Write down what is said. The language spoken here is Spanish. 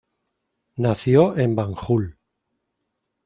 Nació en Banjul.